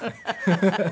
ハハハハ。